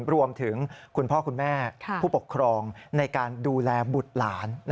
คุณพ่อคุณแม่ผู้ปกครองในการดูแลบุตรหลาน